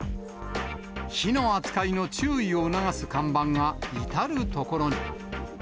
火の扱いの注意を促す看板が、至る所に。